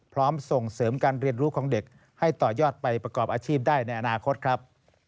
ส่งเสริมการเรียนรู้ของเด็กให้ต่อยอดไปประกอบอาชีพได้ในอนาคตครับ